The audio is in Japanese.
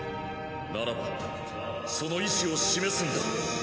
ならばその意思を示すんだ。